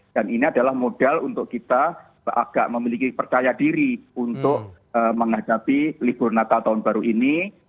dan ini adalah modal untuk kita agak memiliki percaya diri untuk menghadapi libur nataru tahun baru ini